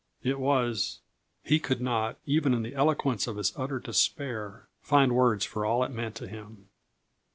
It was he could not, even in the eloquence of his utter despair, find words for all it meant to him.